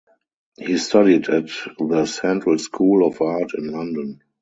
He studied at the Central School of Art in London.